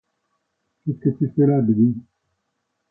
Qu'est-ce que tu fais là, Bébé?